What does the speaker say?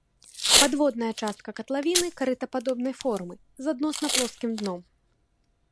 Падводная частка катлавіны карытападобнай формы з адносна плоскім дном.